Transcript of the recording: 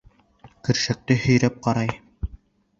Көршәкте һөйрәп ҡарай.